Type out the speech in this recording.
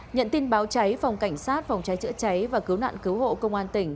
nhận tin báo cháy phòng cảnh sát phòng cháy chữa cháy và cứu nạn cứu hộ công an tỉnh